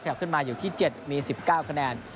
ขึ้นมาอยู่ที่๗มี๑๙คะแนน